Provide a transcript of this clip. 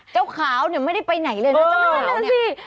เจ้าขาวเนี่ยไม่ได้ไปไหนเลยนะเจ้าหน้าที่